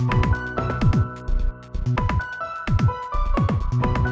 udah ngeri ngeri aja